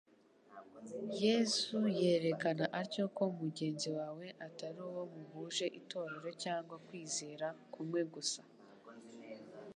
Yesu yerekana atyo ko mugenzi wawe atari uwo muhuje itorero cyangwa ukwizera kumwe gusa.